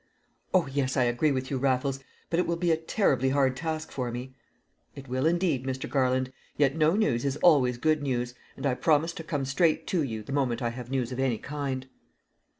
"Oh, yes, I agree with you, Raffles; but it will be a terribly hard task for me!" "It will, indeed, Mr. Garland. Yet no news is always good news, and I promise to come straight to you the moment I have news of any kind."